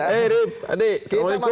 hei rib andi assalamualaikum